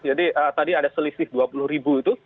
jadi tadi ada selisih dua puluh ribu itu